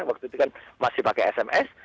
waktu itu kan masih pakai sms